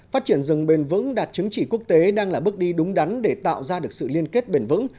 phát triển rừng bền vững đạt chứng chỉ quốc tế đang là bước đi đúng đắn để tạo ra được sự liên kết bền vững